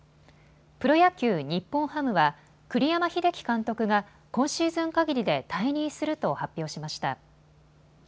プロ野球、日本ハムは栗山英樹監督が今シーズンかぎりで退任すると発表しました。